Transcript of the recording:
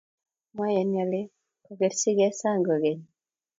moyoni ale ko okrchikei sang kokeny